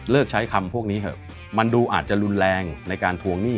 ใช้คำพวกนี้เถอะมันดูอาจจะรุนแรงในการทวงหนี้